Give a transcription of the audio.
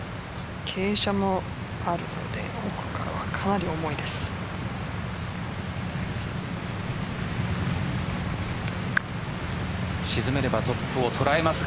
傾斜もあるのでここから、かなり重いです。